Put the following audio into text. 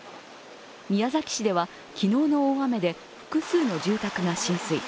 宮崎市では昨日の大雨で複数の住宅が浸水。